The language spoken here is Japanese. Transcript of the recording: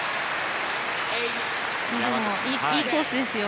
いいコースですよ。